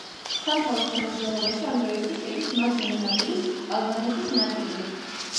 სამთავროს შემადგენლობაში ამ დროისთვის შედის მარჯვენა ნაპირის ალბანეთის ნაწილი.